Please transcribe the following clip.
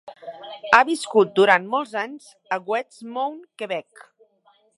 Ha viscut durant molts anys a Westmount, Quebec.